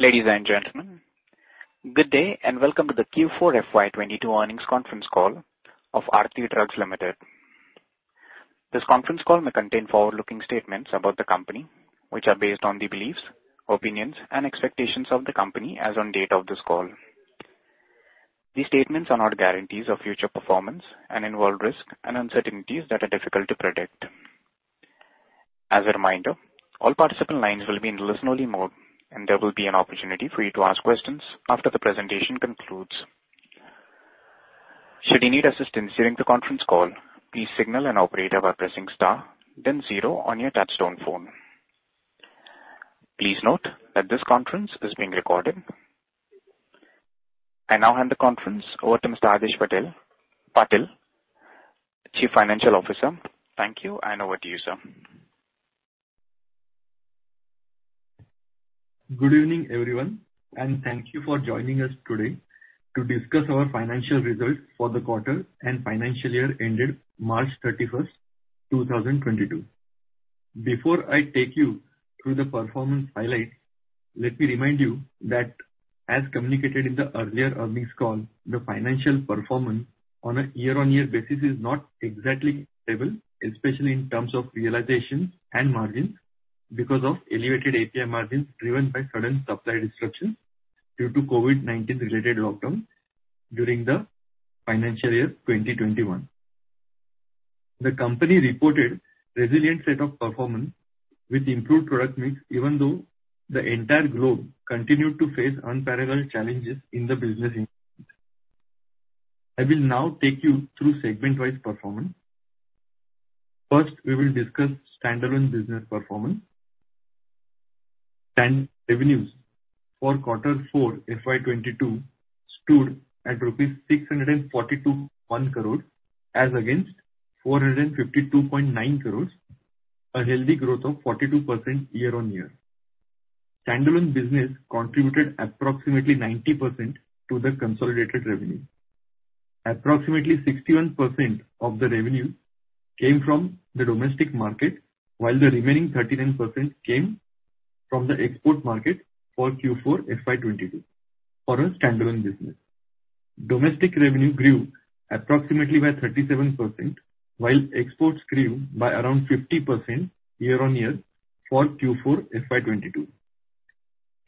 Welcome to the Q4 FY22 earnings conference call of Aarti Drugs Limited. Good evening, everyone, and thank you for joining us today to discuss our financial results for the quarter and financial year ended March 31, 2022. Before I take you through the performance highlights, let me remind you that as communicated in the earlier earnings call, the financial performance on a year-on-year basis is not exactly stable, especially in terms of realization and margins, because of elevated API margins driven by sudden supply disruptions due to COVID-19 related lockdown during the financial year 2021. The company reported a resilient set of performance with improved product mix, even though the entire globe continued to face unparalleled challenges across the business environment. I will now take you through segment-wise performance. First, we will discuss standalone business performance. Total revenues for quarter 4 FY22 stood at rupees 642.1 crore as against 452.9 crore, a healthy growth of 42% year-on-year. Standalone business contributed approximately 90% to the consolidated revenue. Approximately 61% of the revenue came from the domestic market, while the remaining 39% came from the export market for Q4 FY22 in our standalone business. Domestic revenue grew approximately by 37%, while exports grew by around 50% year-on-year for Q4 FY22.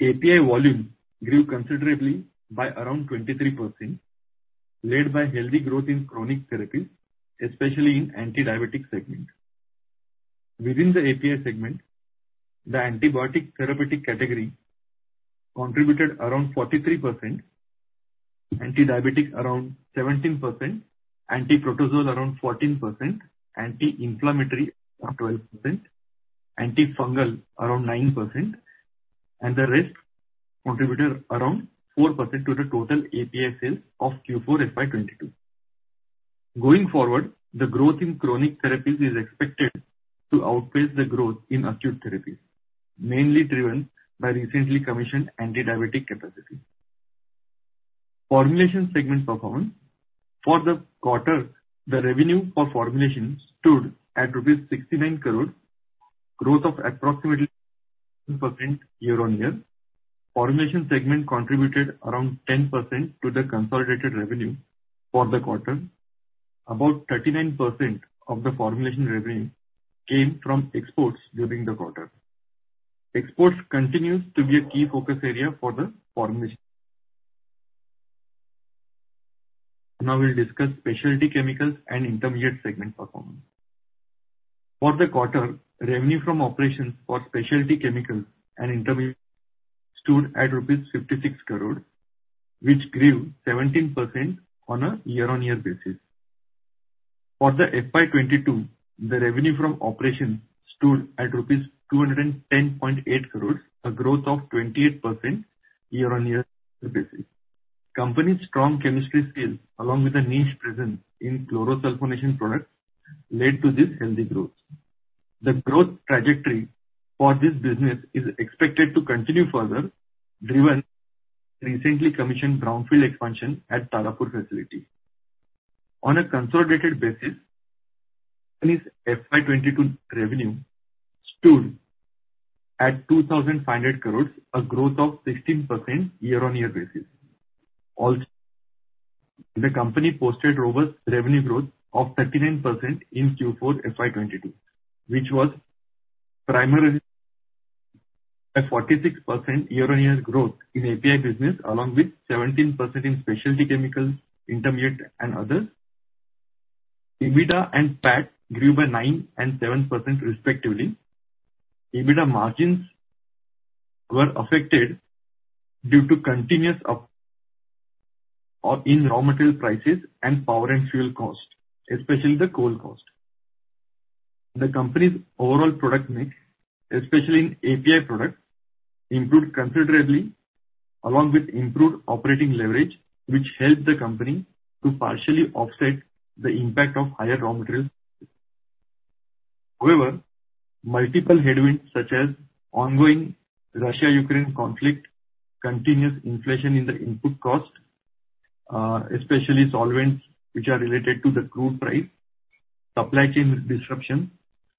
API volume grew considerably by around 23%, led by healthy growth in chronic therapies, especially in anti-diabetic segment. Within the API segment, the antibiotic therapeutic category contributed around 43%, anti-diabetic around 17%, anti-protozoal around 14%, anti-inflammatory around 12%, anti-fungal around 9%, and the rest contributed around 4% to the total API sales of Q4 FY22. Going forward, the growth in chronic therapies is expected to outpace the growth in acute therapies, mainly driven by recently commissioned anti-diabetic capacity. Formulation segment performance. For the quarter, the revenue for formulation stood at rupees 69 crore, growth of approximately 2% year-on-year. Formulation segment contributed around 10% to the consolidated revenue for the quarter. About 39% of the formulation revenue came from exports during the quarter. Exports continues to be a key focus area for the formulation. Now we'll discuss specialty chemicals and intermediate segment performance. For the quarter, revenue from operations for specialty chemicals and intermediates stood at rupees 56 crore, which grew 17% on a year-on-year basis. For the FY22, the revenue from operations stood at rupees 210.8 crore, a growth of 28% year-on-year basis. Company's strong chemistry skills, along with a niche presence in chlorosulfonation products, led to this healthy growth. The growth trajectory for this business is expected to continue further, driven by the recently commissioned brownfield expansion at the Tarapur facility. On a consolidated basis, company's FY22 revenue stood at 2,500 crore, a growth of 16% year-on-year basis. Also, the company posted robust revenue growth of 39% in Q4 FY22, which was primarily a 46% year-on-year growth in API business along with 17% in specialty chemicals, intermediate and others. EBITDA and PAT grew by 9% and 7%, respectively. EBITDA margins were affected due to continuous uptrend in raw material prices and power and fuel cost, especially the coal cost. The company's overall product mix, especially in API products, improved considerably along with improved operating leverage, which helped the company to partially offset the impact of higher raw material. However, multiple headwinds such as ongoing Russia-Ukraine conflict, continuous inflation in the input costs, especially solvents which are related to the crude price, supply chain disruption,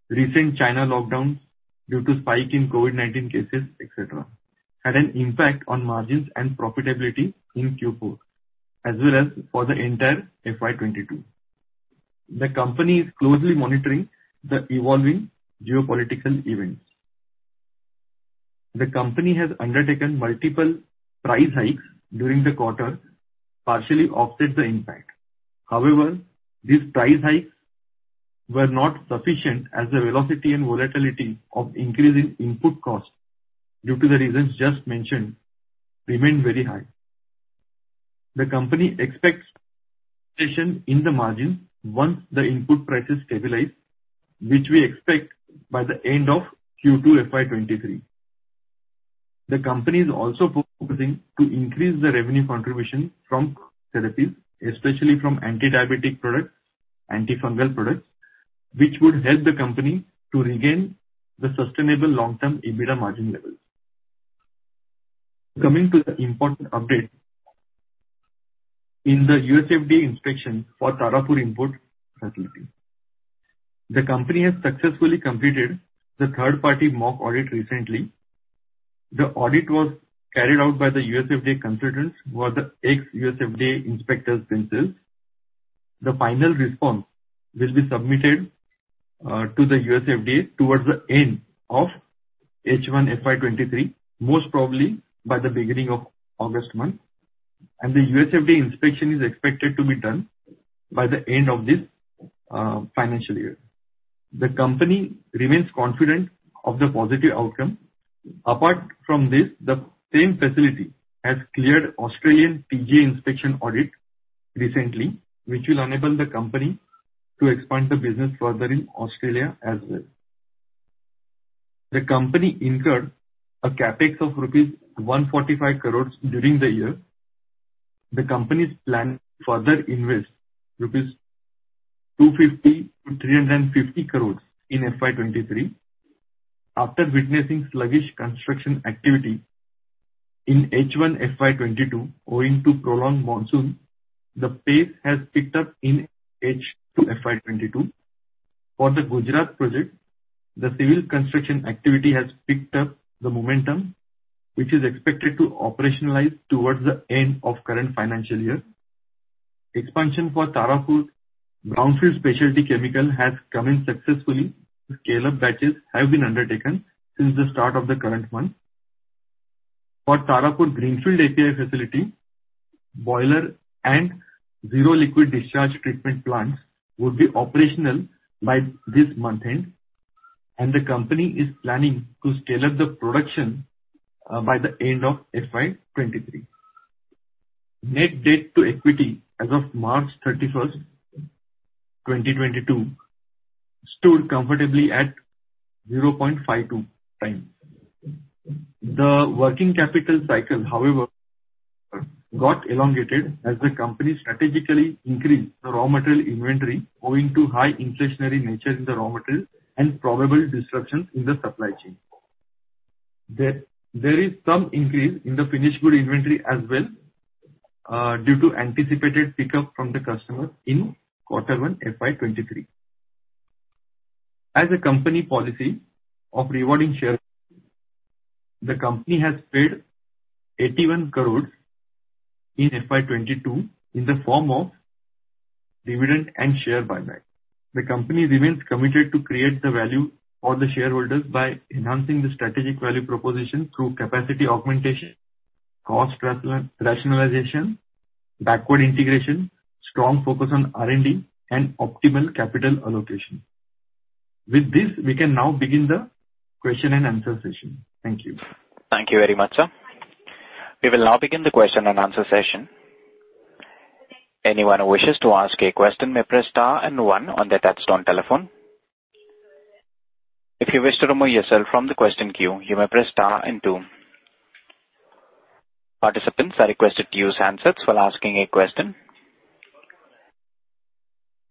recent China lockdown due to spike in COVID-19 cases, et cetera, had an impact on margins and profitability in Q4 as well as for the entire FY22. The company is closely monitoring the evolving geopolitical events. The company has undertaken multiple price hikes during the quarter, partially offset the impact. However, these price hikes were not sufficient as the velocity and volatility of increase in input costs due to the reasons just mentioned remained very high. The company expects an improvement in margins once input prices stabilize, which we expect by the end of Q2 FY23. The company is also focusing on increasing the revenue contribution from therapies, especially from anti-diabetic products, antifungal products, which would help the company to regain the sustainable long-term EBITDA margin levels. Coming to the important update in the USFDA inspection for Tarapur import facility. The company has successfully completed the third-party mock audit recently. The audit was carried out by the USFDA consultants who are the ex-USFDA inspector themselves. The final response will be submitted to the USFDA towards the end of H1 FY23, most probably by the beginning of August. The USFDA inspection is expected to be done by the end of this financial year. The company remains confident of the positive outcome. Apart from this, the same facility has cleared Australian TGA inspection audit recently, which will enable the company to expand the business further in Australia as well. The company incurred a CapEx of rupees 145 crore during the year. The company's plan to further invest 250-350 crore in FY23. After witnessing sluggish construction activity in H1 FY22 owing to prolonged monsoon, the pace has picked up in H2 FY22. For the Gujarat project, the civil construction activity has picked up the momentum, which is expected to be operational towards the end of current financial year. The expansion of the Tarapur brownfield specialty chemicals facility has been completed successfully. Scale-up batches have been undertaken since the start of the current month. For Tarapur greenfield API facility, the boiler and zero liquid discharge treatment plants will be operational by this month end, and the company is planning to scale up the production by the end of FY23. Net debt to equity as of March 31, 2022 stood comfortably at 0.52 times. The working capital cycle, however, got elongated as the company strategically increased the raw material inventory owing to high inflationary nature in the raw material and probable disruptions in the supply chain. There is some increase in the finished goods inventory as well due to anticipated pickup from the customer in Q1 FY23. As a company policy of rewarding shareholders, the company has paid 81 crore in FY22 in the form of dividend and share buyback. The company remains committed to creating value for shareholders by enhancing the strategic value proposition through capacity augmentation, cost rationalization, backward integration, strong focus on R&D and optimal capital allocation. With this, we can now begin the question and answer session. Thank you.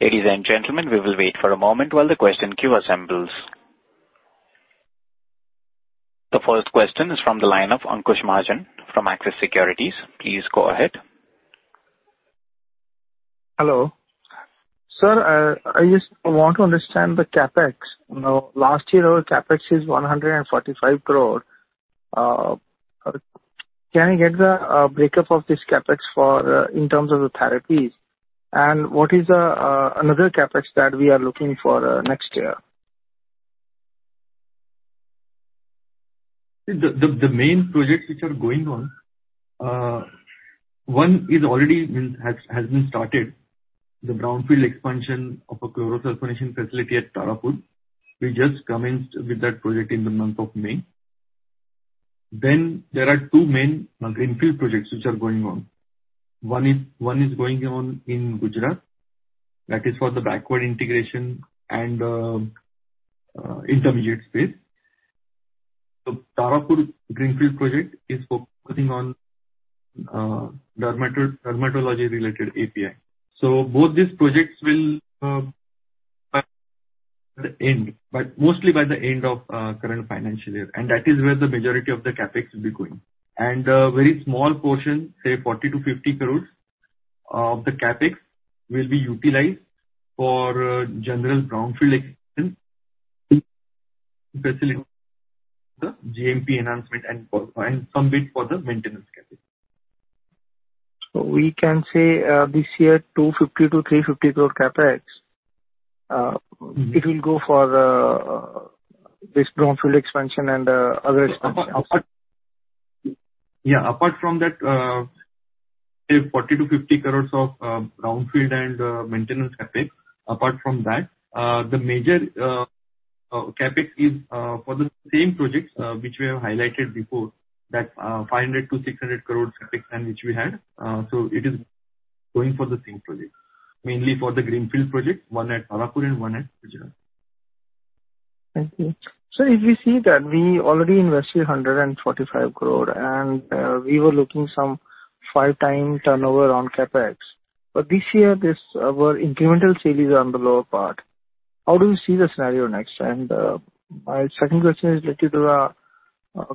Hello. Sir, I just want to understand the CapEx. Last year our CapEx is 145 crore. Can I get the breakup of this CapEx for in terms of the therapies? what is the other CapEx that we are looking at for next year? The main projects which are going on, one has been started, the brownfield expansion of a chlorosulfonation facility at Tarapur. We just commenced with that project in the month of May. There are two main greenfield projects which are going on. One is going on in Gujarat. That is for the backward integration and intermediate space. The Tarapur greenfield project is focusing on dermatology related API. So both these projects be completed by the end, but mostly by the end of current financial year, and that is where the majority of the CapEx will be going. A very small portion, say 40-50 crores of the CapEx will be utilized for general brownfield expansion, the GMP enhancement and some bit for the maintenance CapEx. We can say this year 250 crore-350 crore CapEx. Mm-hmm. It will go for this brownfield expansion and other Apart from that, say 40-50 crores of brownfield and maintenance CapEx. Apart from that, the major CapEx is for the same projects which we have highlighted before that, 500-600 crore CapEx plan which we had. It is going for the same project, mainly for the greenfield project, one at Tarapur and one at Vijayawada. Thank you. If you see that we already invested 145 crore and we were looking some 5x turnover on CapEx. This year our incremental sales are on the lower part. How do you see the scenario next? My second question is related to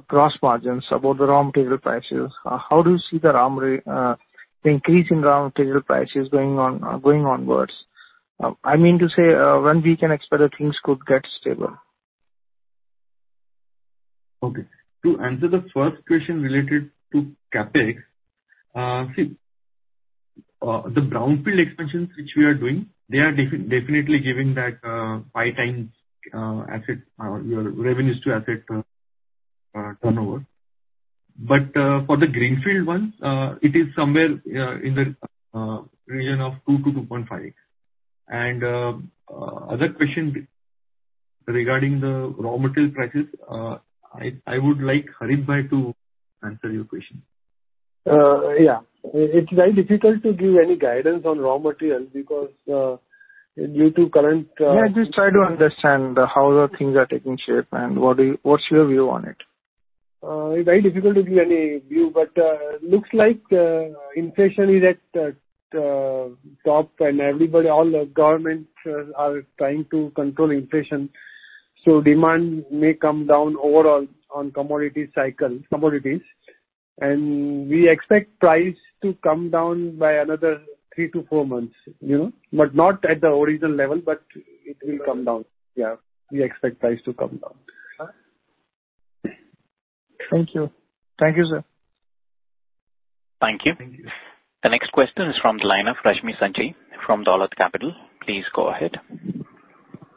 gross margins about the raw material prices. How do you see the increase in raw material prices going on, going onwards? I mean to say, when we can expect that things could get stable. Okay. To answer the first question related to CapEx, the brownfield expansions which we are doing, they are definitely giving that five times asset turnover. For the greenfield one, it is somewhere in the region of 2-2.5. Other question regarding the raw material prices, I would like Harit bhai to answer your question. It's very difficult to give any guidance on raw materials because, due to current, Yeah, just try to understand how the things are taking shape and what's your view on it? It is very difficult to provide any guidance, but looks like inflation is at top and everybody, all the governments are trying to control inflation. Demand may come down overall on commodity cycle, commodities. We expect price to come down by another 3-4 months, you know. Not at the original level, but it will come down. Yeah, we expect price to come down. Thank you. Thank you, sir. Thank you.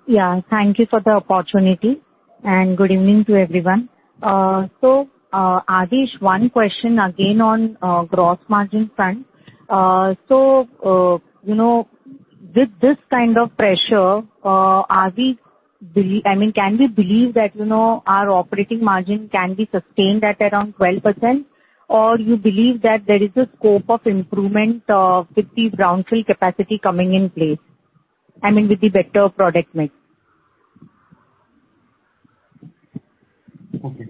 Yeah, thank you for the opportunity, and good evening to everyone. Adhish, one question again on gross margin front. With this kind of pressure, I mean, can we assume that, our operating margin can be sustained at around 12%, or you believe that there is a scope of improvement with the brownfield capacity coming in place, I mean, with the better product mix? Okay.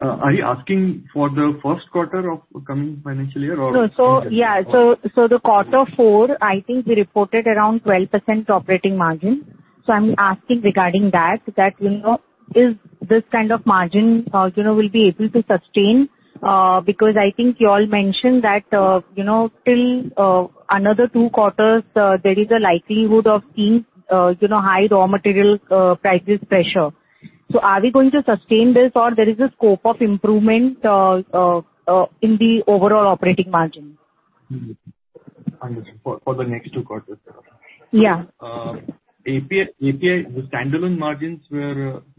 Are you asking for the first quarter of coming financial year or- Yeah, the quarter four, I think we reported around 12% operating margin. I'm asking regarding that, you know, is this kind of margin, you know, we'll be able to sustain? Because I think you all mentioned that, you know, till another two quarters, there is a likelihood of seeing, you know, high raw material price pressure. Are we going to sustain this or there is a scope of improvement in the overall operating margin? Understood. For the next 2 quarters you're asking. Yeah. For APIs, standalone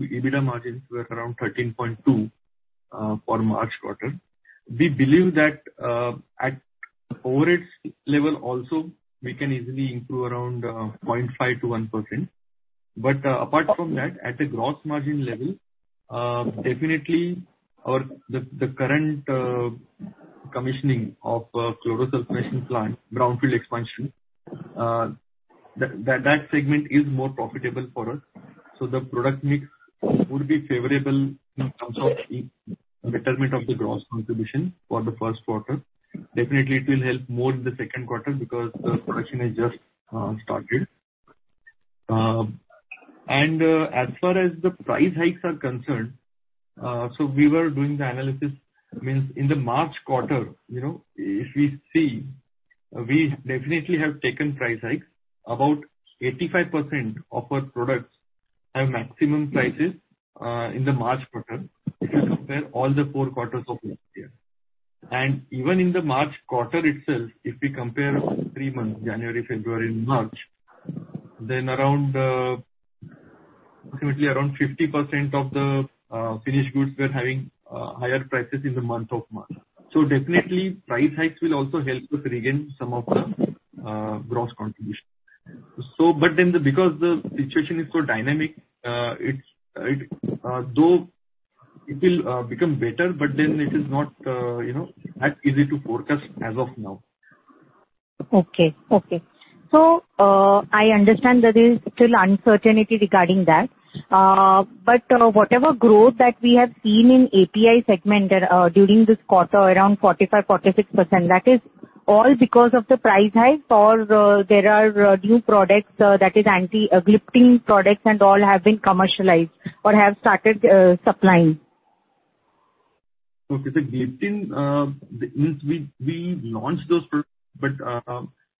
EBITDA margins were around 13.2% for March quarter. We believe that at current level also we can easily improve around 0.5%-1%. Apart from that, at the gross margin level, definitely the current commissioning of chlorosulfonation plant, brownfield expansion, that segment is more profitable for us. The product mix would be favorable in terms of the betterment of the gross contribution for the first quarter. It will help more in the second quarter because the production has just started. As far as the price hikes are concerned, we were doing the analysis. I mean, in the March quarter, you know, if we see, we definitely have taken price hikes. About 85% of our products have maximum prices in the March quarter if you compare all the four quarters of last year. Even in the March quarter itself, if we compare all three months, January, February, and March, then approximately 50% of the finished goods were having higher prices in the month of March. Definitely price hikes will also help us regain some of the gross contribution. Because the situation is so dynamic, it's though it will become better, but then it is not you know that easy to forecast as of now. Okay. I understand there is still uncertainty regarding that. But whatever growth that we have seen in API segment during this quarter, around 45%-46%, that is all because of the price hike or there are new products, that is gliptin products and all have been commercialized or have started supplying? Okay. The gliptin means we launched those products, but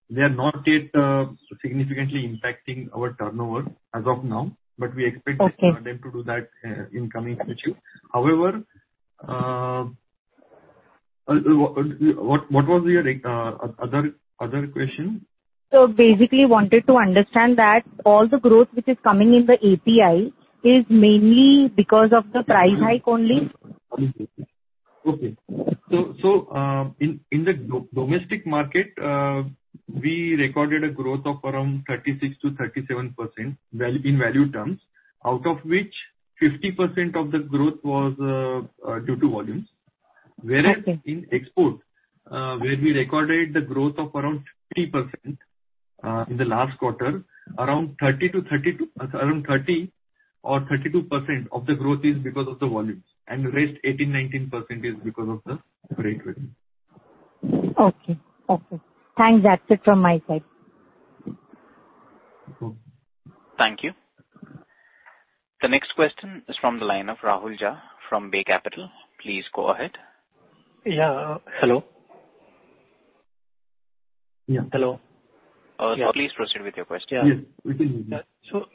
they are not yet significantly impacting our turnover as of now, but we expect- Okay. -them to do that, in coming future. However, what was your other question? Basically wanted to understand that all the growth which is coming in the API is mainly because of the price hike only. In the domestic market, we recorded a growth of around 36%-37% in value terms, out of which 50% of the growth was due to volumes. Okay. Whereas in export, where we recorded the growth of around 50%, in the last quarter, around 30 or 32% of the growth is because of the volumes, and the rest 18-19% is because of the price rise. Okay. Thanks. That's it from my side. Okay. Hello?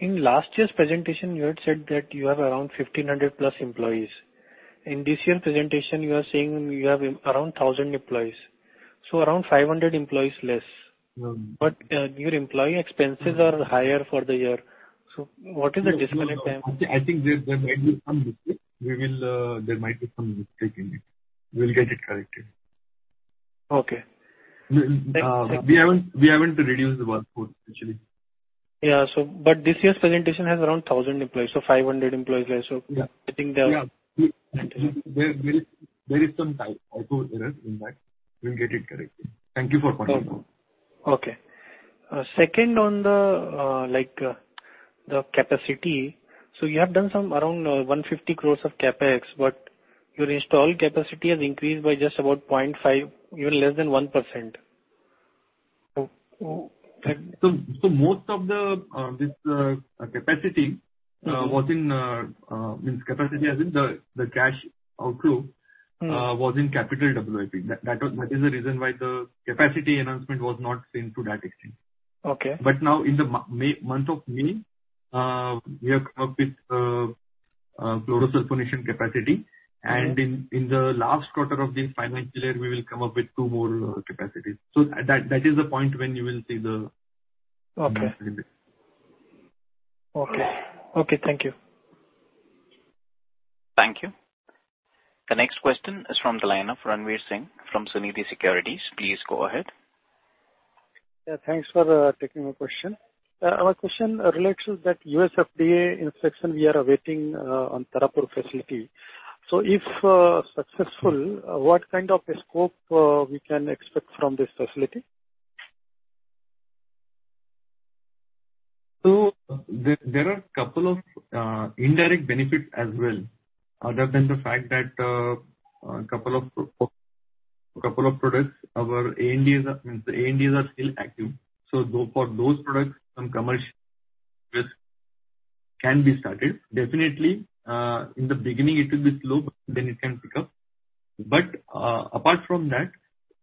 In last year's presentation, you had said that you have around 1,500+ employees. In this year's presentation, you are saying you have around 1,000 employees, so around 500 employees less. Mm-hmm. Your employee expenses are higher for the year. What is the disconnect there? I think there might be some mistake. We'll get it corrected. Okay. We haven't reduced the workforce actually. This year's presentation has around 1,000 employees, so 500 employees less. Yeah. -I think there are- Yeah. There is some typo error in that. We'll get it corrected. Thank you for pointing it out. Okay. Second on the capacity. You have done some around 150 crores of CapEx, but your installed capacity has increased by just about 0.5, even less than 1%. Most of this capacity was in terms of capacity as in the cash outflow. Mm-hmm. Was in Capital Work-in-Progress. That is the reason why the capacity enhancement was not seen to that extent. Okay. Now in the month of May, we have come up with chlorosulfonation capacity. In the last quarter of this financial year, we will come up with two more capacities. That is the point when you will see the- Okay. Capacity build. Okay. Okay, thank you. Yeah, thanks for taking my question. Our question relates to that USFDA inspection we are awaiting on Tarapur facility. If successful, what kind of a scope we can expect from this facility? There are a couple of indirect benefits as well. Other than the fact that a couple of products, our ANDAs, means the ANDAs are still active. Go for those products, some commercial can be started. Definitely, in the beginning it will be slow, but then it can pick up. Apart from that,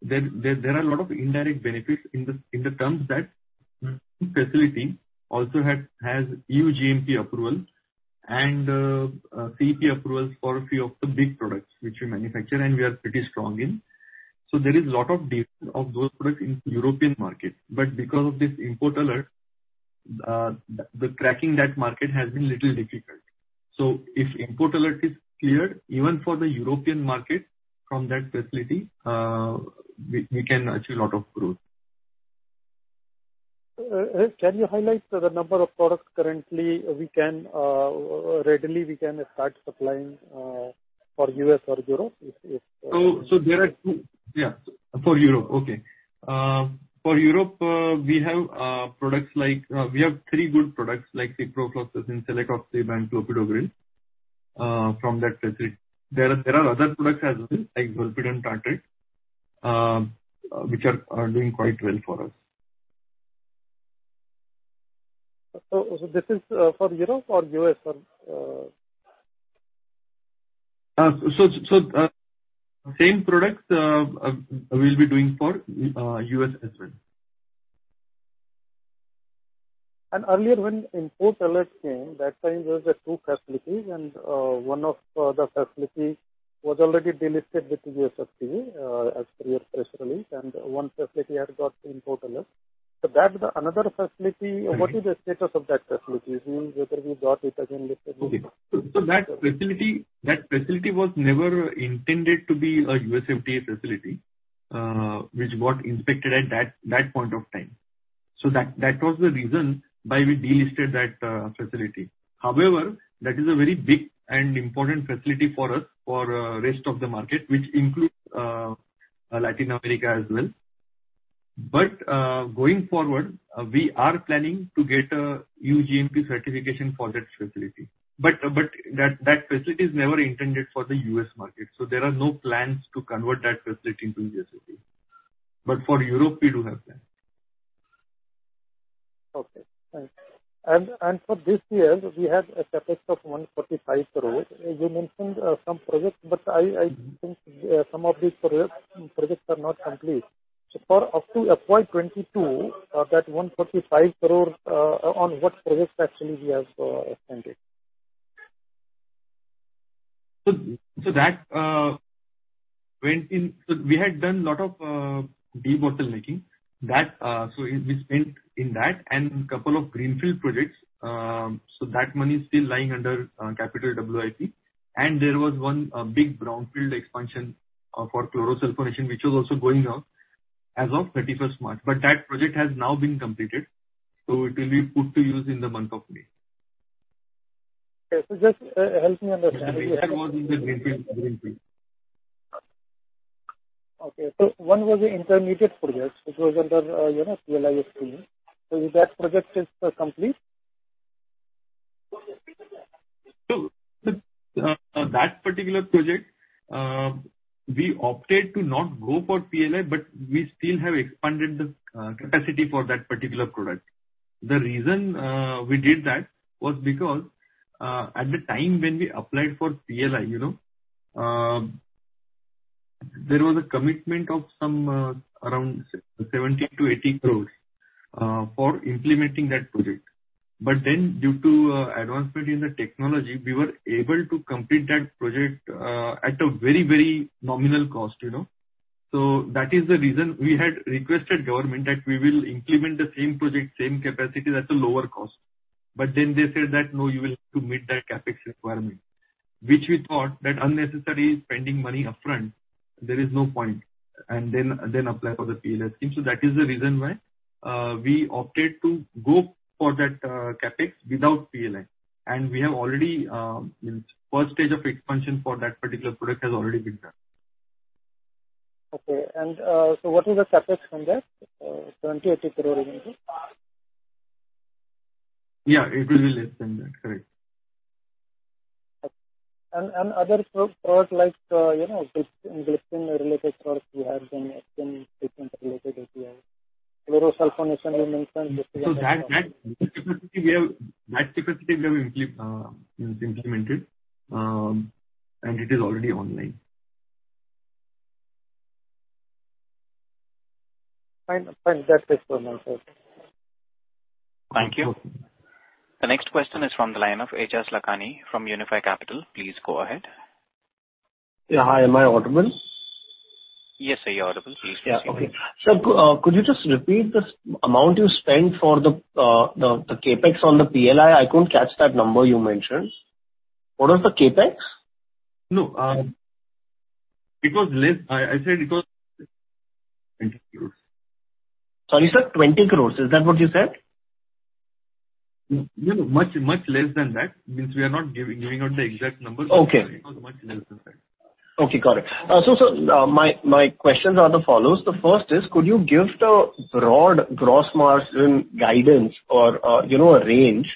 there are a lot of indirect benefits in the terms that facility also has EU GMP approval and CEP approvals for a few of the big products which we manufacture and we are pretty strong in. There is a lot of demand for those products in European markets. Because of this import alert, the penetrating that market has been challenging. If import alert is cleared, even for the European market from that facility, we can achieve lot of growth. Can you highlight the number of products currently we can readily start supplying for U.S. or Europe if? For Europe. Okay. For Europe, we have products like, we have three good products like ciprofloxacin, celecoxib and clopidogrel from that facility. There are other products as well, like zolpidem tartrate, which are doing quite well for us. This is for Europe or U.S. or. Same products we'll be doing for the U.S. as well. Earlier when import alert came, that time there were the two facilities and one of the facility was already delisted with USFDA, as per your press release, and one facility had got import alert. That's another facility. Mm-hmm. What is the status of that facility? Is it whether we got it again listed? Okay. That facility was never intended to be a USFDA-approved facility, which got inspected at that point of time. That was the reason why we delisted that facility. However, that is a very big and important facility for us for the rest of the market, which includes Latin America as well. Going forward, we are planning to get a new GMP certification for that facility. That facility is never intended for the US market, so there are no plans to convert that facility into USFDA. For Europe we do have that. Okay, thanks. For this year we had a CapEx of 145 crores. You mentioned some projects, but I think some of these projects are not complete. For up to FY 2022, that 145 crores, on what projects actually we have spent it? We had done a lot of debottlenecking. We spent on that and couple of greenfield projects. That money is still lying under Capital Work-in-Progress. There was one big brownfield expansion for chlorosulfonation, which was also going on as of March 31. That project has now been completed, so it will be put to use in the month of May. Okay. Just help me understand. The major was in the greenfield. Okay. One was the intermediate project. It was under, you know, PLI scheme. That project is complete? That particular project, we opted to not go for PLI, but we still have expanded the capacity for that particular product. The reason we did that was because at the time when we applied for PLI, you know, there was a commitment of some around 70-80 crores for implementing that project. Due to advancement in the technology, we were able to complete that project at a very, very nominal cost, you know. That is the reason we had requested government that we will implement the same project, same capacity at a lower cost. They said that, "No, you will have to meet that CapEx requirement," which we thought that unnecessary spending money upfront, there is no point, and then apply for the PLI scheme. That is the reason why we opted to go for that CapEx without PLI. We have already first stage of expansion for that particular product has already been done. Okay. What is the CapEx on that, 70-80 crore you mentioned? Yeah, it will be less than that. Correct. Other products like, you know, glycine related products you have been expanding treatment related API. Chlorosulfonation you mentioned- That capacity we have implemented, and it is already online. Fine. That's it from my side. Yeah. Okay. Could you just repeat the amount you spent for the CapEx on the PLI? I couldn't catch that number you mentioned. What was the CapEx? No, it was less. I said it was 20 crore. Sorry, sir, 20 crore. Is that what you said? No, no. Much, much less than that. Means we are not giving out the exact numbers. Okay. It was much less than that. Okay. Got it. So my questions are the following. The first is could you give the broad gross margin guidance or, you know, a range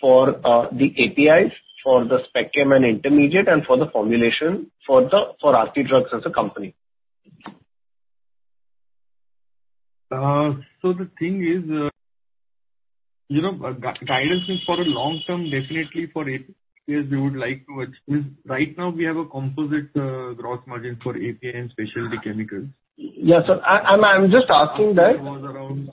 for the APIs, for the spec chem and intermediate, and for the formulation for Aarti Drugs as a company? The thing is, you know, guidance is for the long term, definitely for APIs we would like to achieve. Right now we have a composite gross margin for API and specialty chemicals. Yeah, sir. I'm just asking that. It was around.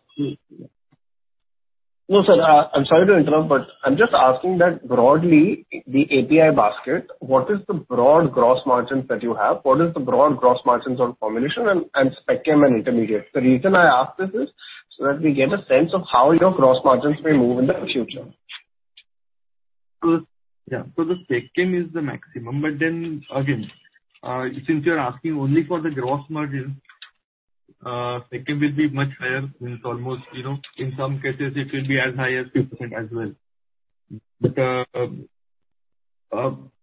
No, sir. I'm sorry to interrupt, but I'm just asking that broadly, the API basket, what is the broad gross margins that you have? What is the broad gross margins on formulation and spec chem and intermediate? The reason I ask this is so that we get a sense of how your gross margins may move in the future. The spec chem is the maximum. Since you're asking only for the gross margin, spec chem will be much higher. It's almost, you know, in some cases it will be as high as 50%.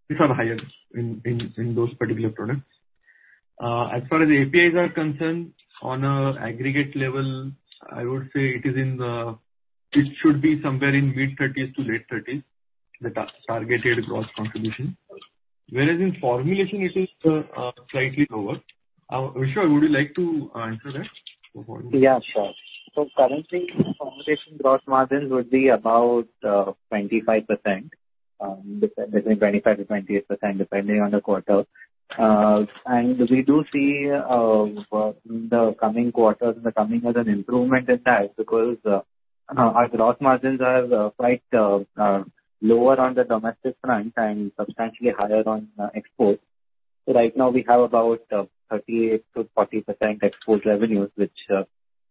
These are higher in those particular products. As far as APIs are concerned, on an aggregate level, I would say it should be somewhere in mid-30s to late 30s, the targeted gross contribution. Whereas in formulation it is slightly lower. Vishwa, would you like to answer that? Yeah, sure. Currently formulation gross margins would be about 25%, between 25%-28%, depending on the quarter. We do see the coming quarters becoming as an improvement in that because our gross margins are quite lower on the domestic front and substantially higher on export. Right now we have about 38%-40% export revenues, which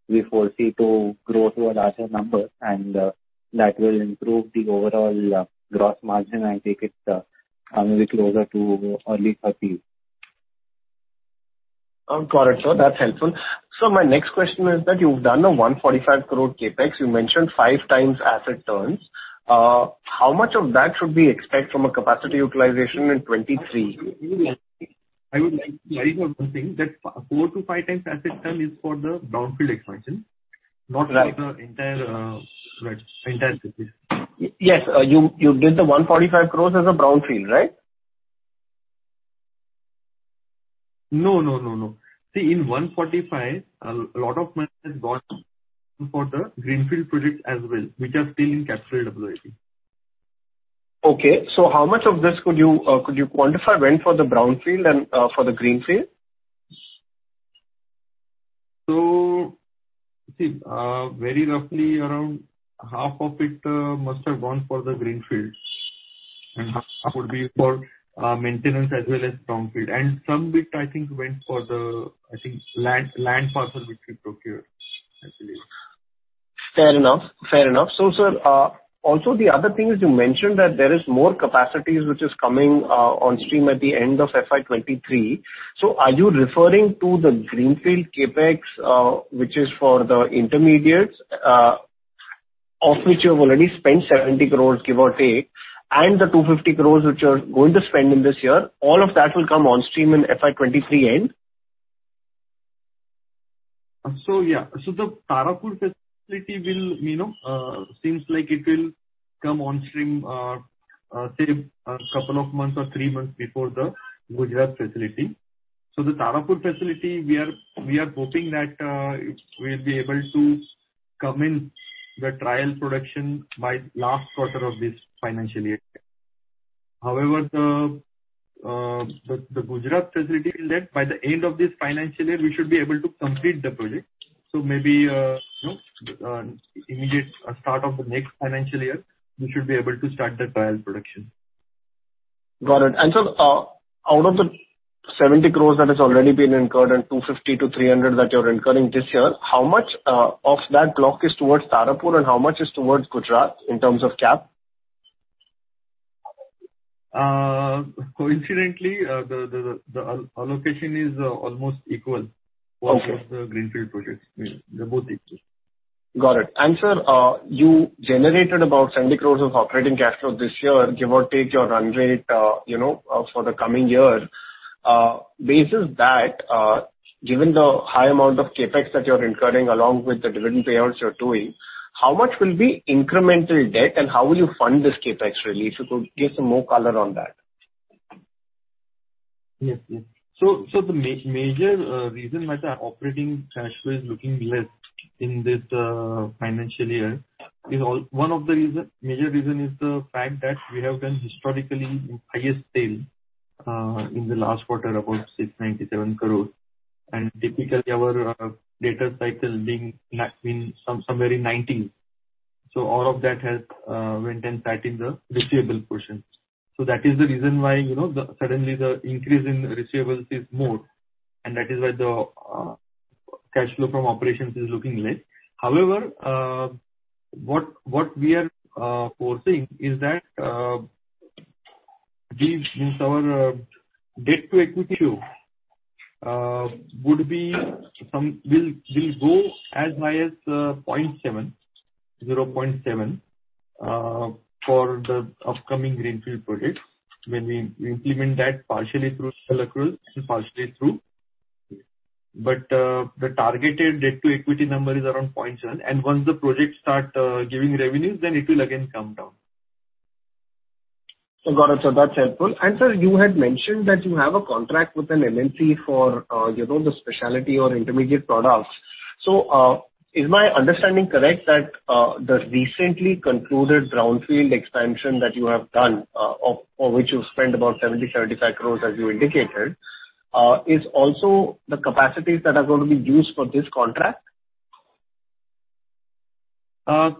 we foresee to grow to a larger number and that will improve the overall gross margin. I take it coming a bit closer to early 30% range. Got it, sir. That's helpful. My next question is that you've done 145 crore CapEx. You mentioned 5 times asset turns. How much of that should we expect from a capacity utilization in 2023? I would like to clarify one thing that 4-5x CapEx spend is for the brownfield expansion, not- Right. for the entire CapEx. Yes. You did the 145 crore as a brownfield, right? No. See, in 145, a lot of money has gone for the greenfield project as well, which are still in Capital Work-in-Progress. Okay. How much of this could you quantify went for the brownfield and for the greenfield? See, very roughly around half of it must have gone for the greenfield and half would be for maintenance as well as brownfield. Some bit I think went for the land parcel which we procured, I believe. Fair enough. Sir, also the other thing is you mentioned that there is more capacities which is coming on stream at the end of FY 2023. Are you referring to the greenfield CapEx, which is for the intermediates, of which you've already spent 70 crore, give or take, and the 250 crore which you're going to spend in this year, all of that will come on stream in FY 2023 end? The Tarapur facility will, you know, seems like it will come on stream, say, a couple of months or three months before the Gujarat facility. The Tarapur facility, we are hoping that, it will be able to come in the trial production by last quarter of this financial year. However, the Gujarat facility, in that, by the end of this financial year we should be able to complete the project. Maybe, you know, immediate start of the next financial year, we should be able to start the trial production. Got it. Out of the 70 crore that has already been incurred and 250 crore-300 crore that you're incurring this year, how much of that block is towards Tarapur and how much is towards Gujarat in terms of CapEx? Coincidentally, the allocation is almost equal. Okay. For both the greenfield projects. Yeah, they're both equal. Got it. Sir, you generated about 70 crore of operating cash flows this year, give or take your run rate, you know, for the coming year. Basis that, given the high amount of CapEx that you're incurring along with the dividend payouts you're doing, how much will be incremental debt and how will you fund this CapEx really? If you give some more color on that. Yes. The major reason that our operating cash flow is looking less in this financial year is one of the major reasons, the fact that we have done historically highest sales in the last quarter, about 697 crore. Typically our DSO being somewhere in 90. All of that has went and sat in the receivable portion. That is the reason why, you know, suddenly the increase in receivables is more, and that is why the cash flow from operations is looking less. However, what we foresee is that this means our debt to equity ratio will go as high as 0.7 for the upcoming greenfield projects when we implement that partially through internal accruals and partially through. The targeted debt to equity number is around 0.1. Once the projects start giving revenues, then it will again come down. Got it, sir. That's helpful. Sir, you had mentioned that you have a contract with an MNC for the specialty or intermediate products. Is my understanding correct that the recently concluded brownfield expansion that you have done, for which you spent about 75 crores, as you indicated, is also the capacities that are gonna be used for this contract? A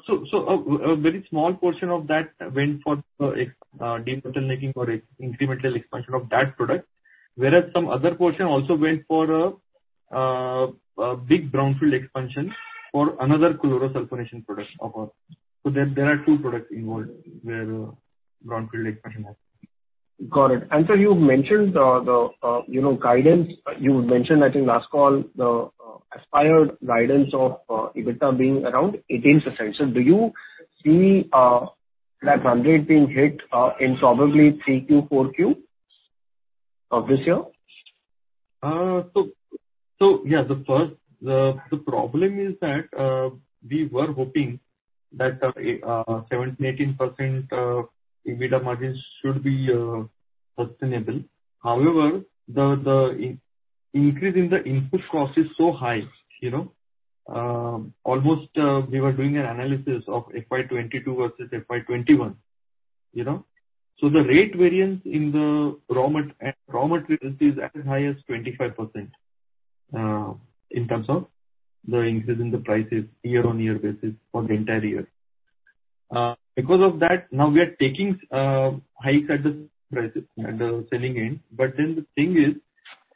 very small portion of that went for debottlenecking or incremental expansion of that product. Whereas some other portion also went for a big brownfield expansion for another chlorosulfonation product. There are two products involved where brownfield expansion happened. Got it. Sir, you've mentioned the you know, guidance. You mentioned, I think last call the aspirational guidance of EBITDA being around 18%. Do you see that run rate being hit in probably 3Q, 4Q of this year? Yeah. The first problem is that we were hoping that 17%-18% EBITDA margins should be sustainable. However, the increase in the input cost is so high, you know, almost we were doing an analysis of FY22 versus FY21, you know. The rate variance in the raw materials is as high as 25%, in terms of the increase in the prices year-on-year basis for the entire year. Because of that, now we are taking hikes at the prices at the selling end. But then the thing is,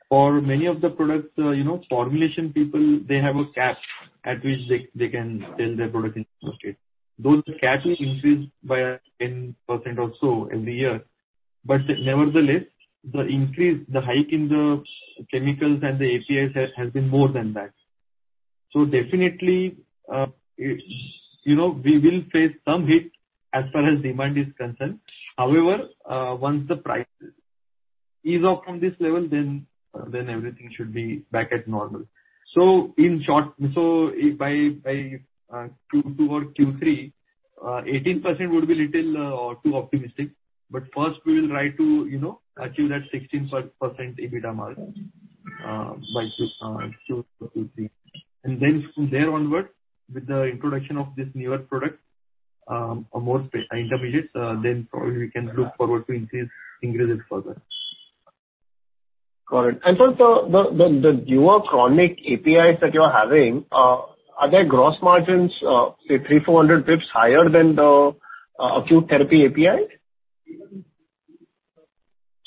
for many of the products, you know, formulation people, they have a cap at which they can sell their product in the market. Those caps will increase by 10% or so every year. Nevertheless, the increase, the hike in the chemicals and the APIs has been more than that. Definitely, it's, you know, we will face some hit as far as demand is concerned. However, once the price ease off from this level then everything should be back at normal. In short, if by Q2 or Q3 18% would be little too optimistic. First we will try to, you know, achieve that 16% EBITDA mark by Q3. Then from there onward with the introduction of this newer product, a more intermediate, then probably we can look forward to increase it further. Correct. The newer chronic APIs that you're having, are their gross margins say 300-400 basis points higher than the acute therapy APIs?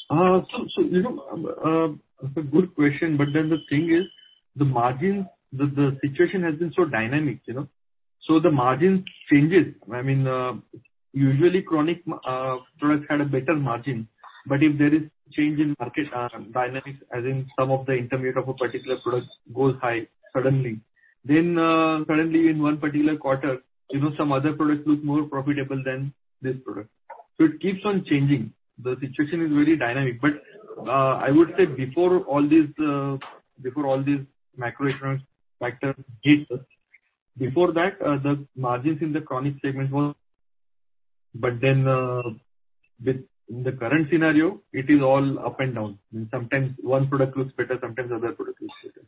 So, you know, it's a good question, but then the thing is the margins, the situation has been so dynamic, you know. The margins changes. I mean, usually chronic products had a better margin, but if there is change in market dynamics as in some of the intermediate of a particular product goes high suddenly, then suddenly in one particular quarter, you know, some other products look more profitable than this product. It keeps on changing. The situation is very dynamic. I would say before all these macroeconomic factors hit us, before that, the margins in the chronic segment was. With the current scenario, it is all up and down, and sometimes one product looks better, sometimes other product looks better.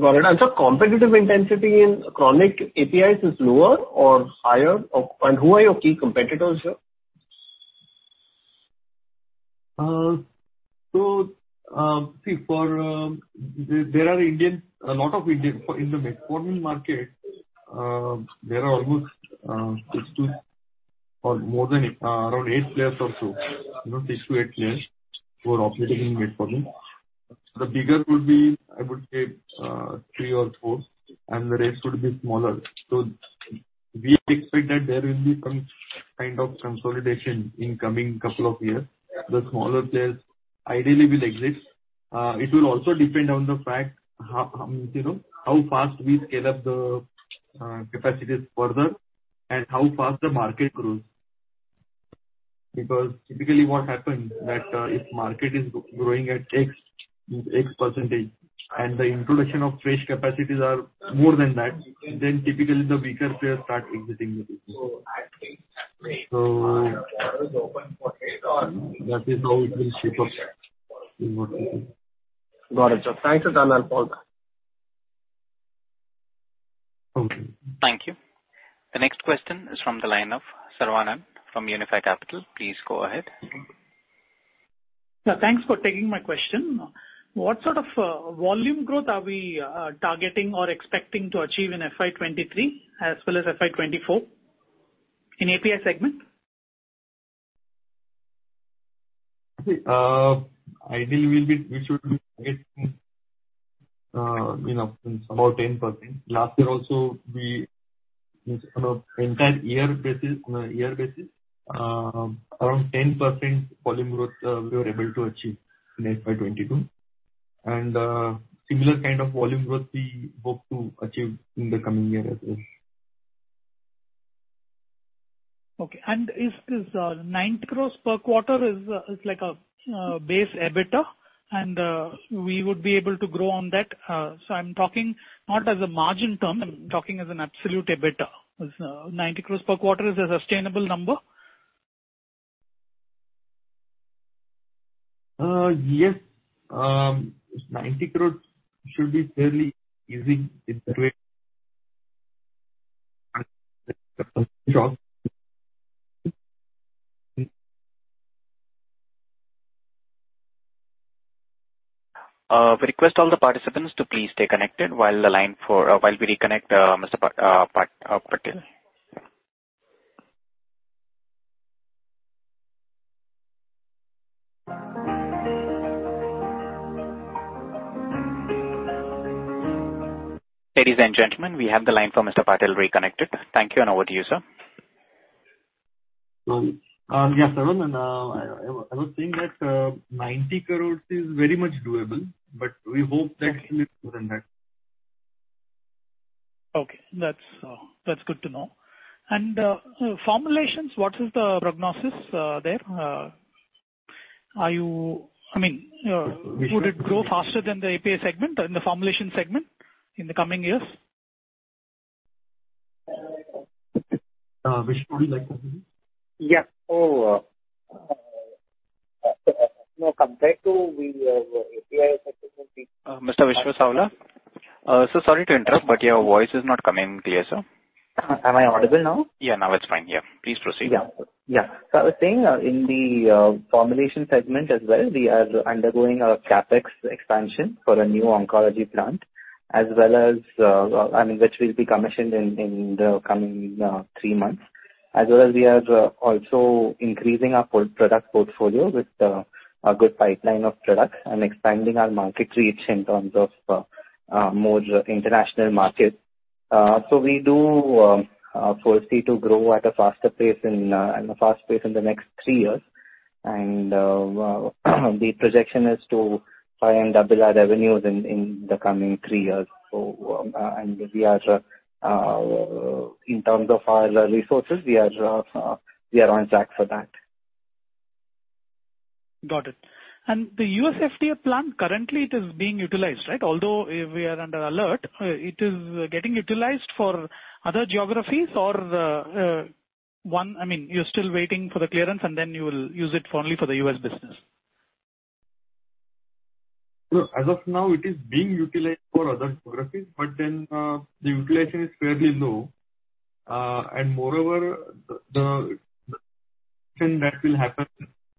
Got it. Competitive intensity in chronic APIs is lower or higher? Or and who are your key competitors here? There are a lot of Indian players in the metformin market. There are almost six to eight players or so. You know, six to eight players who are operating in metformin. The bigger would be, I would say, three or four, and the rest would be smaller. We expect that there will be some kind of consolidation in the coming couple of years. The smaller players ideally will exit. It will also depend on the fact how you know, how fast we scale up the capacities further and how fast the market grows. Because typically what happens that if the market is growing at X% and the introduction of fresh capacities are more than that, then typically the weaker players start exiting the business. That is how it will shape up in what we see. Got it, sir. Thanks a ton, Adhish Patil. Okay. Yeah, thanks for taking my question. What sort of volume growth are we targeting or expecting to achieve in FY23 as well as FY24 in API segment? Ideally, we should be getting, you know, about 10%. Last year also we, you know, entire year basis, on a year basis, around 10% volume growth, we were able to achieve in FY 2022. Similar kind of volume growth we hope to achieve in the coming year as well. Is INR 90 crore per quarter like a base EBITDA and we would be able to grow on that? I'm talking not as a margin term, I'm talking as an absolute EBITDA. Is 90 crore per quarter a sustainable number? Yes. 90 crore should be fairly easy in the rate. Yes, Saravanan. I was saying that 90 crore is very much doable, but we hope that it will be more than that. Okay. That's good to know. Formulations, what is the prognosis there? I mean, would it grow faster than the API segment or in the formulation segment in the coming years? Vishwa, would you like to comment? Yeah. No, compared to the API segment, we- I was saying, in the formulation segment as well, we are undergoing a CapEx expansion for a new oncology plant, as well as, I mean, which will be commissioned in the coming three months. As well as we are also increasing our full product portfolio with a good pipeline of products and expanding our market reach in terms of more international markets. We do foresee to grow at a fast pace in the next three years. The projection is to try and double our revenues in the coming three years. In terms of our resources, we are on track for that. Got it. The USFDA plant, currently it is being utilized, right? Although we are under alert, it is getting utilized for other geographies. I mean, you're still waiting for the clearance and then you will use it only for the US business. As of now it is being utilized for other geographies, but then, the utilization is fairly low. Moreover, the thing that will happen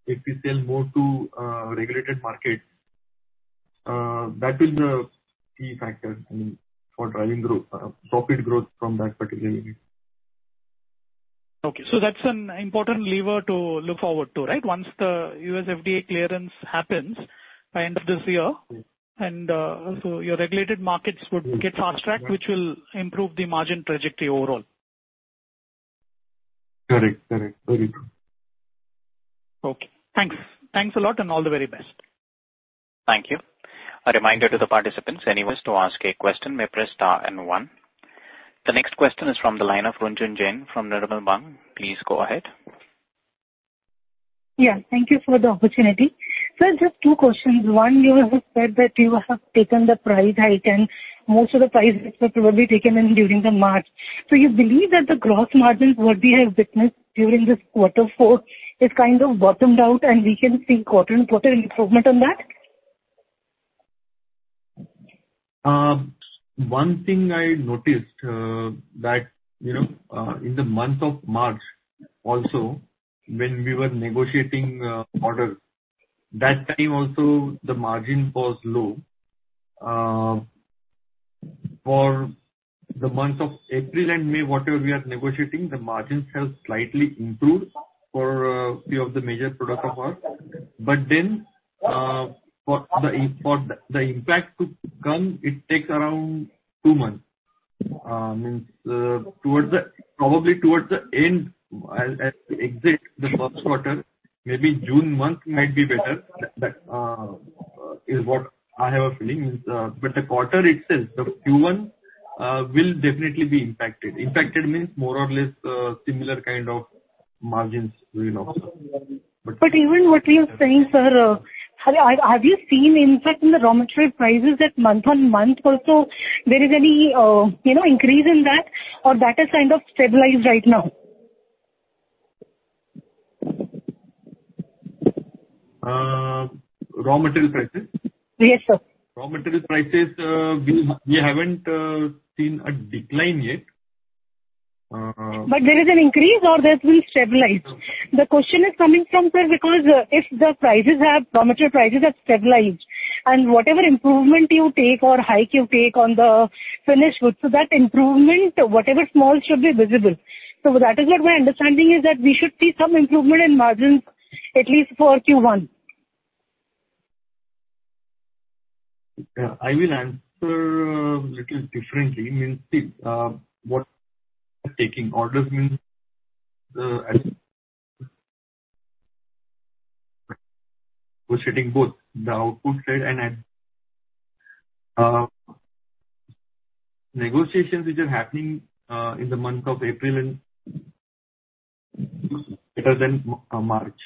if we sell more to regulated markets, that will be a key factor, I mean, for driving growth, profit growth from that particular unit. Okay. That's an important lever to look forward to, right? Once the US FDA clearance happens by end of this year, your regulated markets would get fast-tracked, which will improve the margin trajectory overall. Correct. Okay, thanks. Thanks a lot and all the very best. Yeah, thank you for the opportunity. Just two questions. One, you have said that you have taken the price hike and most of the prices were probably taken in during the March. You believe that the gross margins what we have witnessed during this quarter four is kind of bottomed out and we can see quarter-on-quarter improvement on that? One thing I noticed, that you know in the month of March also when we were negotiating orders, that time also the margin was low. For the month of April and May, whatever we are negotiating, the margins have slightly improved for few of the major products of ours. For the impact to come, it takes around two months. Means towards the end, probably, as we exit the first quarter, maybe June month might be better. That is what I have a feeling. The quarter itself, the Q1, will definitely be impacted. Impacted means more or less similar kind of margins we will observe. Even what you're saying, sir, have you seen impact in the raw material prices that month on month? Also, is there any, you know, increase in that, or is that kind of stabilized right now? Raw material prices? Yes, sir. Raw material prices, we haven't seen a decline yet. Is there an increase or have we stabilized? The question is coming from, sir, because if the prices have, raw material prices have stabilized and whatever improvement or hike you take on the finished goods, that improvement, however small, should be visible. That is what my understanding is that we should see some improvement in margins at least for Q1. Yeah. I will answer a little differently. What taking orders means is negotiating both the output side and the negotiations which are happening in the month of April and better than March.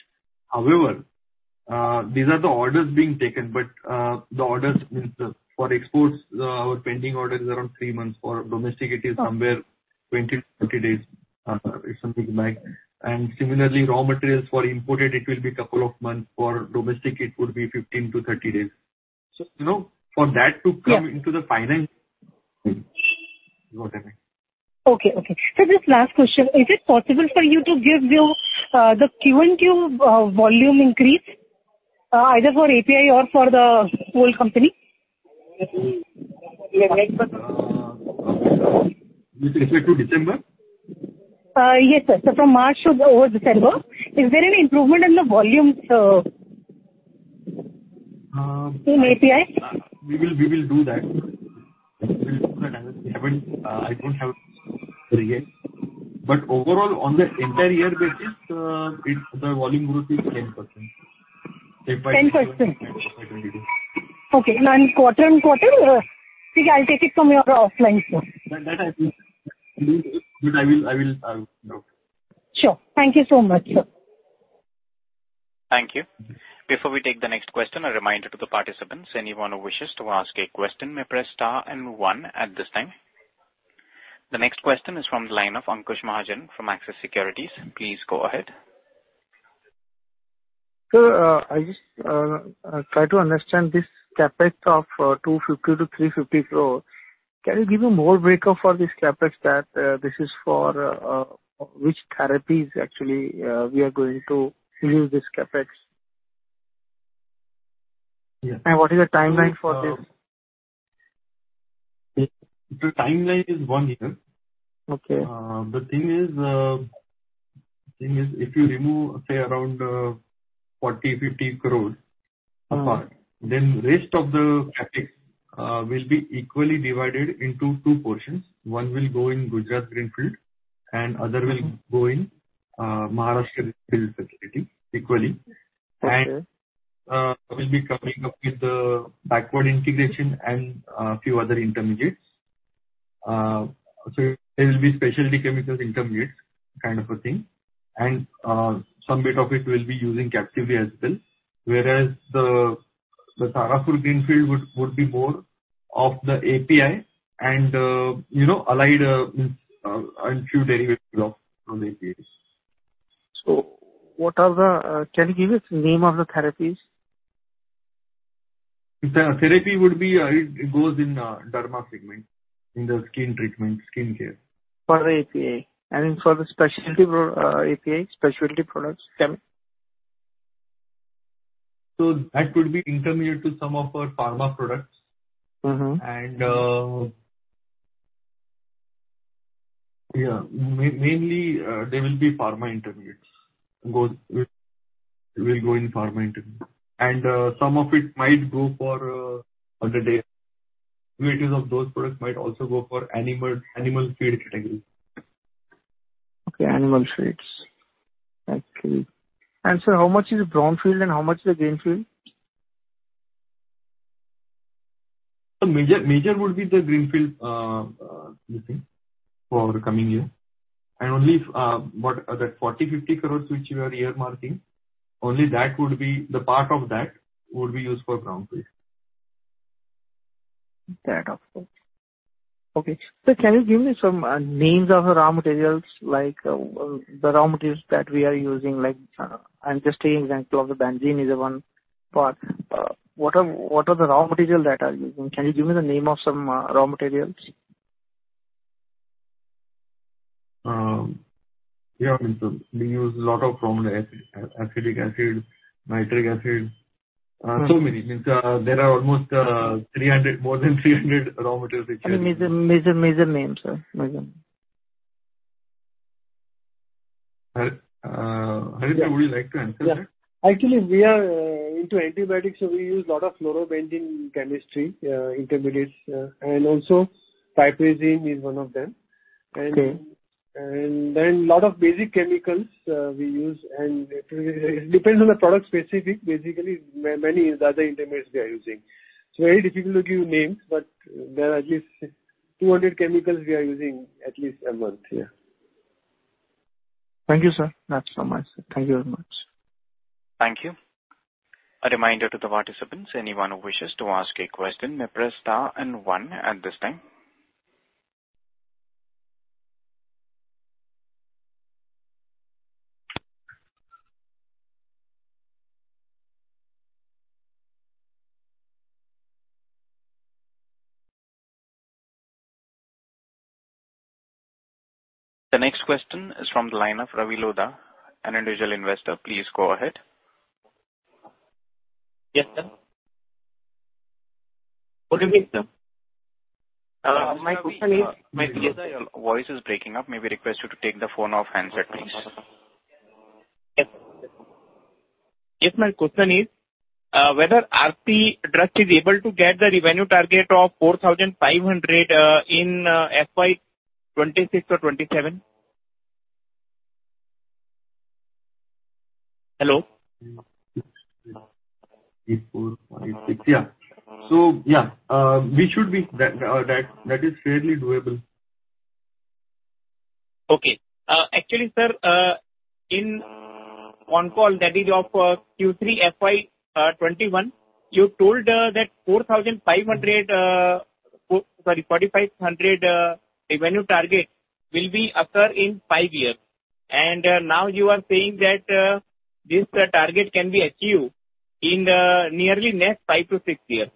However, these are the orders being taken, but the orders mean, for exports, our pending order is around three months. For domestic it is somewhere 20-30 days, something like. Similarly, raw materials for imported, it will be a couple of months. For domestic it would be 15-30 days. You know, for that to come- Yeah. into the final Okay. Sir, just last question. Is it possible for you to give the QOQ volume increase, either for API or for the whole company? With respect to December? Yes, sir. From March to December. Is there any improvement in the volumes in API? We will do that. I don't have it here. Overall, on the entire year basis, it's the volume growth is 10%. 10%. Yeah. Okay. Quarter-over-quarter, maybe I'll take it from you offline, sir. That I will. This I will note. Sure. Thank you so much, sir. Sir, I just try to understand this CapEx of 250-350 crores. Can you give me more break-up for this CapEx that this is for which therapies actually we are going to use this CapEx? Yeah. What is the timeline for this? The timeline is one year. Okay. The thing is, if you remove, say around 40 crore-50 crore. Mm-hmm. Rest of the CapEx will be equally divided into two portions. One will go in Gujarat greenfield and other will go in Maharashtra greenfield facility equally. Okay. We'll be coming up with the backward integration and few other intermediates. There will be specialty chemicals intermediates kind of a thing. Some bit of it will be using captive as well. Whereas the Tarapur greenfield would be more of the API and you know allied amines and few derivatives from APIs. Can you give us name of the therapies? The therapy would be. It it will cater to the dermatology segment, in the skin treatment, skin care. For API. For the specialty products, API, specialty products, can you? That would be intermediate to some of our pharma products. Mm-hmm. Mainly, they will be pharma intermediates. Will go in pharma intermediate. Some of it might go for other derivatives of those products might also go for animal feed category. Sir, how much is brownfield and how much is the greenfield? The major would be the greenfield for our coming year. That 40 crore-50 crore which we are earmarking, only that would be the part of that would be used for brownfield. Can you give me some names of the raw materials, like, the raw materials that we are using, like, I'm just taking example of the benzene is a one part. What are the raw material that are using? Can you give me the name of some raw materials? Yeah, I mean, we use a lot of raw material. Acetic acid, nitric acid, so many. Means, there are almost 300, more than 300 raw materials which we are using. I mean major names, sir. Major names. Harit, would you like to answer that? Yeah. Actually, we are into antibiotics, so we use lot of fluorobenzene chemistry, intermediates. Also, piperazine is one of them. Okay. lot of basic chemicals we use and it depends on the product specific. Basically, many other intermediates we are using. It's very difficult to give names, but there are at least 200 chemicals we are using at least a month, yeah. Thank you, sir. Not so much. Thank you very much. Yes, Yes. Yes, my question is whether Aarti Drugs is able to get the revenue target of 4,500 in FY26 or FY27? Hello? 3, 4, 5, 6. Yeah. Yeah, we should be that is fairly doable. Okay. Actually, sir, in the call that is of Q3 FY21, you told that 4,500 revenue target will occur in 5 years. Now you are saying that this target can be achieved in nearly next 5-6 years.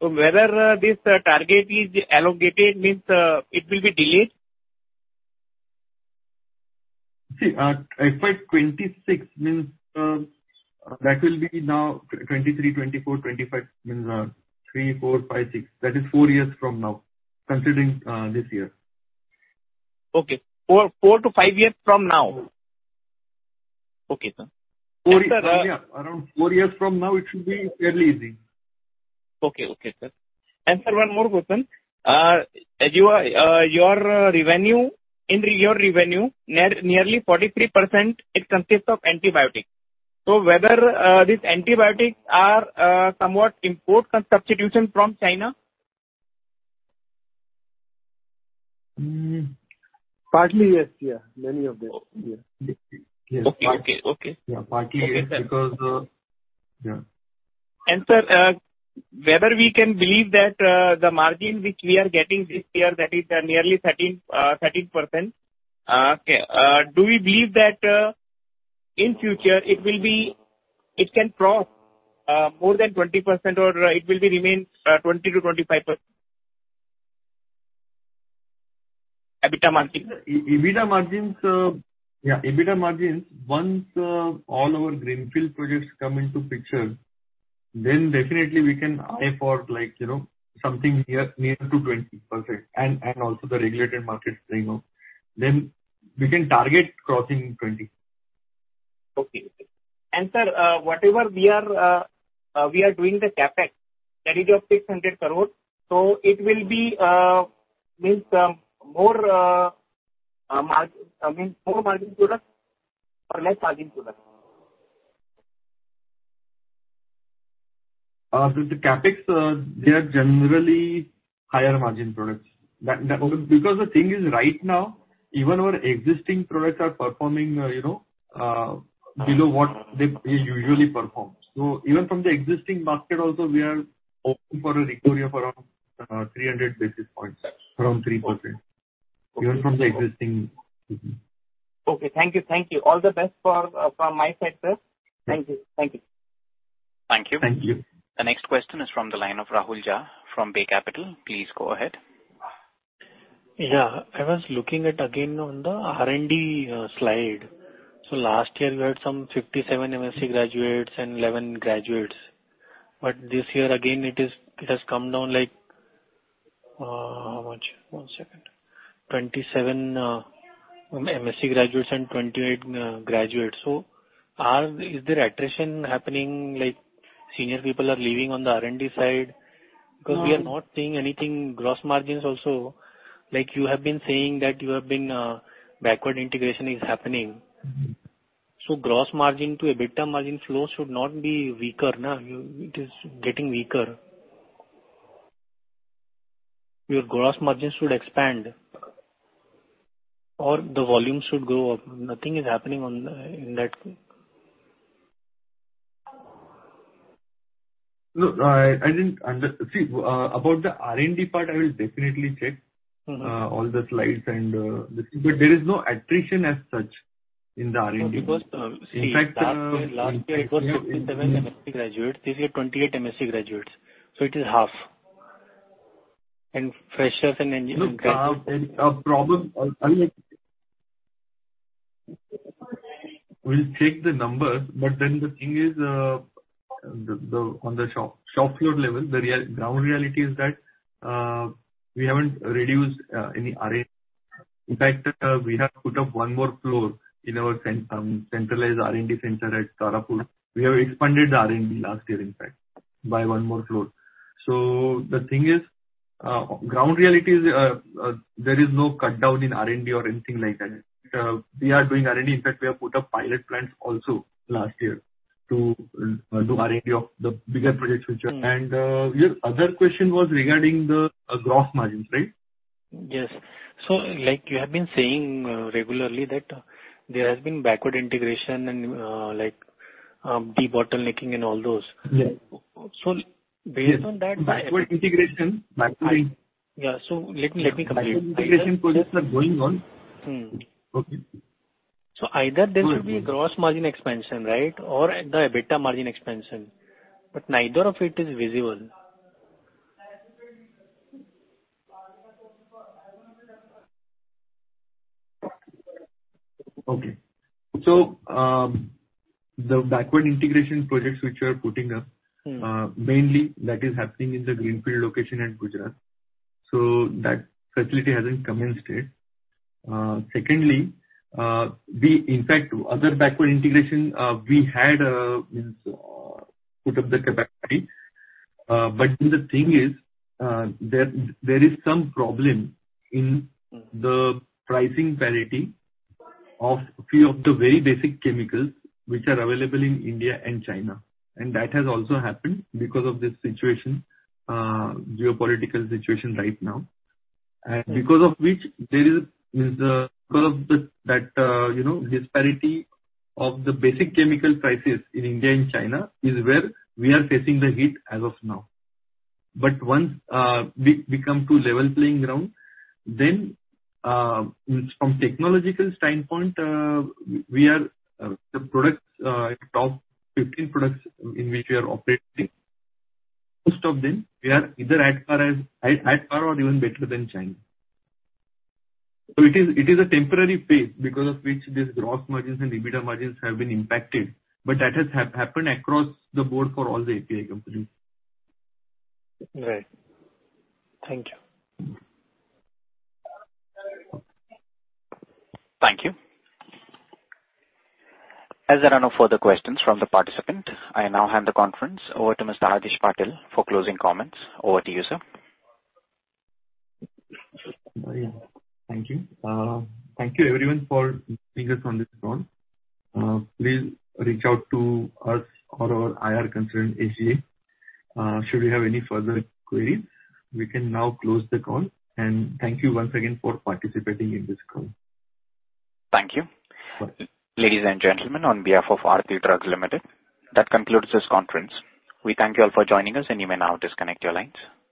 Whether this target is allocated means it will be delayed? FY 26 means that will be now 23, 24, 25. Means 3, 4, 5, 6. That is four years from now, considering this year. Okay. 4-5 years from now? Okay, sir. Sir. Four years from, yeah. Around four years from now, it should be fairly easy. Okay. Okay, sir. Sir, one more question. Your revenue nearly 43% consists of antibiotics. So whether these antibiotics are partially import substitutesfrom China? Partly, yes. Yeah. Many of them. Yeah. Okay. Yeah, partly it's because. Yeah. Sir, whether we can believe that the margin which we are getting this year, that is nearly 13%, do we believe that in future it will be, it can cross more than 20% or it will remain 20%-25%? EBITDA margin. EBITDA margins, once all our greenfield projects come into picture. Definitely we can target, you know, something near to 20% and also the regulated markets, you know. We can target crossing 20%. Okay. Sir, whatever we are doing the CapEx that is of 600 crore. It will be, I mean, more margin product or less margin product? The CapEx, they are generally higher margin products. Because the thing is right now, even our existing products are performing, you know, below what they usually perform. Even from the existing market also we are hoping for a recovery of around 300 basis points from 3%. Okay. Even from the existing. Mm-hmm. Okay. Thank you. Thank you. All the best for, from my side, sir. Thank you. Thank you. Thank you. Yeah. I was looking at it again on the R&D slide. Last year we had some 57 M.Sc. graduates and 11 graduates. This year again it has come down, how much? One second. 27 M.Sc. graduates and 28 graduates. Is there attrition happening, senior people are leaving on the R&D side? No. Because we are not seeing anything gross margins also. Like you have been saying that you have been backward integration is happening. Mm-hmm. Gross margin to EBITDA margin flow should not be weaker, no? It is getting weaker. Your gross margins should expand or the volume should go up. Nothing is happening in that. Look, see, about the R&D part I will definitely check. Mm-hmm. There is no attrition as such in the R&D. No, because. In fact, Last year it was 57 M.Sc. graduates. This year 28 M.Sc. graduates. It is half. Freshers and new graduates. I mean, we'll check the numbers, but then the thing is, on the shop floor level, the real ground reality is that we haven't reduced any R&D. In fact, we have put up one more floor in our centralized R&D center at Tarapur. We have expanded the R&D last year in fact by one more floor. The thing is, ground reality is there is no cut down in R&D or anything like that. We are doing R&D. In fact, we have put up pilot plants also last year to do R&D of the bigger projects which are Mm. Your other question was regarding the gross margins, right? Yes. Like you have been saying regularly that there has been backward integration and like debottlenecking and all those. Yes. Based on that. Backward integration. Yeah. Let me complete. Backward integration projects are going on. Mm. Okay. Either there should be a gross margin expansion, right? The EBITDA margin expansion. Neither of it is visible. Okay. The backward integration projects which we are putting up. Mm. Mainly that is happening in the greenfield location at Gujarat. That facility hasn't commenced yet. Secondly, we have, in fact, other backward integration. We had put up the capacity. The thing is, there is some problem in the pricing parity of few of the very basic chemicals which are available in India and China. That has also happened because of the geopolitical situation right now. Because of which there is, you know, disparity of the basic chemical prices in India and China is where we are facing the hit as of now. Once we come to level playing ground, then from a technological standpoint, we are the products in top 15 products in which we are operating. Most of them we are either at par or even better than China. It is a temporary phase because of which these gross margins and EBITDA margins have been impacted. That has happened across the board for all the API companies. Right. Thank you. Yeah. Thank you. Thank you everyone for joining us on this call. Please reach out to us or our IR consultant, SGA, should you have any further queries. We can now close the call. Thank you once again for participating in this call. Okay.